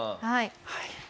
はい。